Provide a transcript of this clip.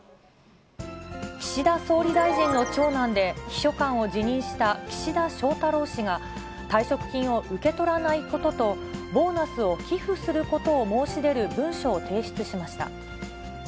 岸田総理大臣の長男で、秘書官を辞任した岸田翔太郎氏が、退職金を受け取らないことと、ボーナスを寄付することを申し出る文書を提出しました。